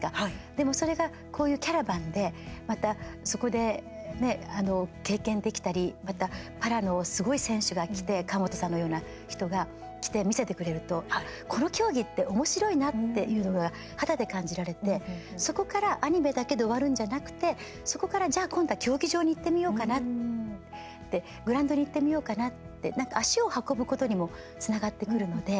でも、それがこういうキャラバンで、またそこで経験できたりまたパラのすごい選手が来て川本さんのような人が来て見せてくれるとこの競技っておもしろいなっていうのが肌で感じられてそこからアニメだけで終わるんじゃなくてそこから、じゃあ今度は競技場に行ってみようかなグラウンドへ行ってみようかなって足を運ぶことにもつながってくるので。